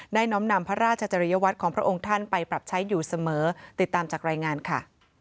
น้อมนำพระราชจริยวัตรของพระองค์ท่านไปปรับใช้อยู่เสมอติดตามจากรายงานค่ะ